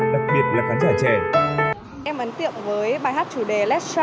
đặc biệt là khán giả trẻ